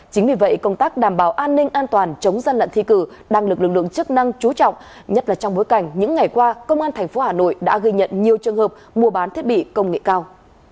chính vì vậy công tác đảm bảo an ninh an toàn chống gian lận thi cử đang được lực lượng chức năng chú trọng nhất là trong bối cảnh những ngày qua công an tp hà nội đã ghi nhận nhiều trường hợp mua bán thiết bị công nghệ cao